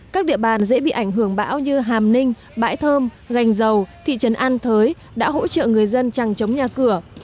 các địa bàn dễ bị ảnh hưởng bão như hàm ninh bãi thơm gành dầu thị trấn an thới đã hỗ trợ người dân chẳng chống nhà cửa